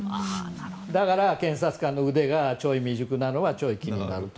だから、検察官の腕がちょい未熟なのはちょい気になると。